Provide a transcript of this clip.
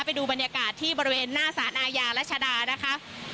ไปดูบรรยากาศที่บริเวณหน้าสารอาญารัชดานะคะ